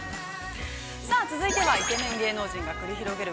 ◆さあ、続いてはイケメン芸能人が繰り広げる